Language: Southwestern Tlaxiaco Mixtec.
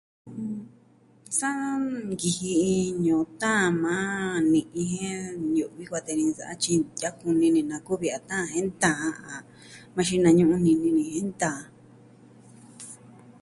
Sa nkiji iin ñu'un taan maa ni'i jen ñu'vi kuatee ni nsa'a tyi ntia'an kuni ni na kuvi a taan jen ntaan ma xinañu'un nini ni jen iin taan.